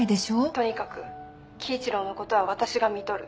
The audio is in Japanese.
とにかく貴一郎のことは私がみとる。